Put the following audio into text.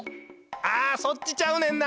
あそっちちゃうねんな。